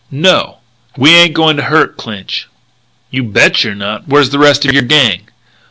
"No." "We ain't going to hurt Clinch." "You bet you're not. Where's the rest of your gang?"